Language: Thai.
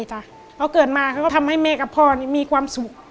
เพราะเกิดมาเขาก็ทำให้แม่กับพ่อมีความสุข